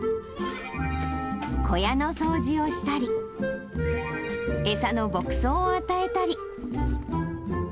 小屋の掃除をしたり、餌の牧草を与えたり。